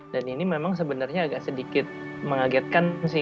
dan ini memang sebenarnya agak sedikit mengagetkan sih